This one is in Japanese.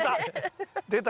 出た！